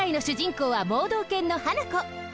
こうは盲導犬のハナコ。